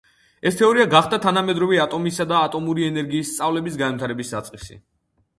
ეს თეორია გახდა თანამედროვე ატომისა და ატომური ენერგიის სწავლების განვითარების საწყისი.